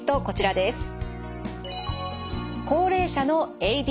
こちらです。